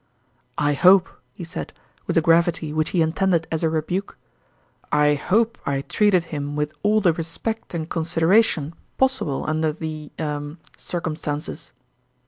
" I hope," he said, with a gravity which he intended as a rebuke " I hope I treated him with all the respect and consideration possible 40 tourmalin's &ime under the er circumstances.